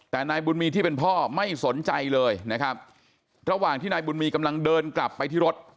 แต่นายบุญมีที่เป็นพ่อไม่สนใจเลยนะครับระหว่างที่นายบุญมีกำลังเดินกลับไปที่รถ